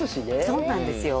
そうなんですよ。